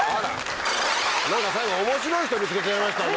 何か最後面白い人見つけちゃいましたね。